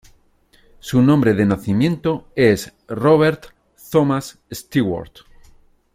Su nombre de nacimiento es "Robert Thomas Stewart".